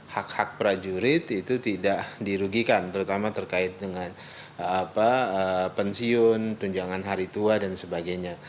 hak hak prajurit itu tidak dirugikan terutama terkait dengan pensiun tunjangan hari tua dan sebagainya